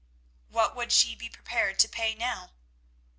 What would she be prepared to pay now?